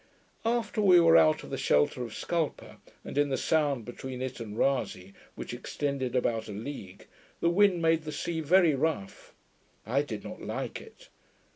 After we were out of the shelter of Scalpa, and in the sound between it and Rasay, which extended about a league, the wind made the sea very rough. I did not like it.